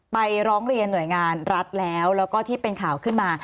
ร้องเรียนหน่วยงานรัฐแล้วแล้วก็ที่เป็นข่าวขึ้นมา